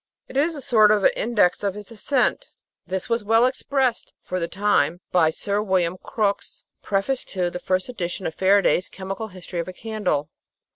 It is a sort of index of his ascent. This was well expressed, for the time, by Sir William Crookes's preface to the first edition of Faraday's Chemical History of a Candle.